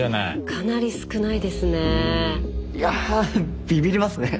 かなり少ないですね。